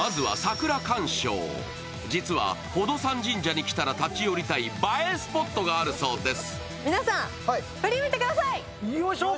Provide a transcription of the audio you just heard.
実は宝登山神社神社に来たら立ち寄りたい映えスポットがあるそうです。